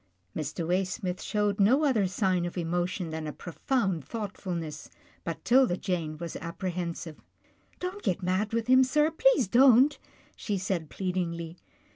Mr. Waysmith showed no other sign of emotion than a profound thoughtfulness, but 'Tilda Jane was apprehensive. " Don't get mad with him, sir, please don't," she said pleadingly.